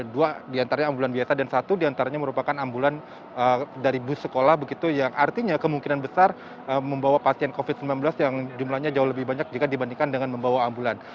dua diantaranya ambulan biasa dan satu diantaranya merupakan ambulan dari bus sekolah begitu yang artinya kemungkinan besar membawa pasien covid sembilan belas yang jumlahnya jauh lebih banyak jika dibandingkan dengan membawa ambulan